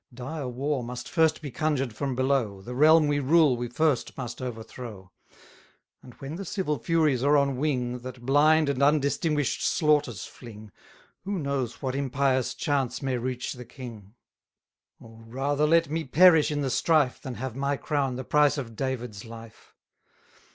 Dire war must first be conjured from below, The realm we rule we first must overthrow; And, when the civil furies are on wing, That blind and undistinguish'd slaughters fling, 140 Who knows what impious chance may reach the king? Oh, rather let me perish in the strife, Than have my crown the price of David's life!